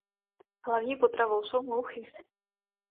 Hlavní potravou jsou mouchy.